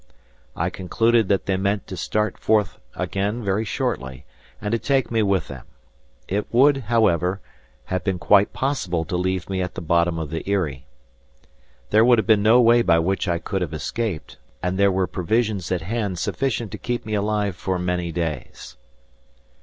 I concluded that they meant to start forth again very shortly, and to take me with them. It would, however, have been quite possible to leave me at the bottom of the Eyrie. There would have been no way by which I could have escaped, and there were provisions at hand sufficient to keep me alive for many days.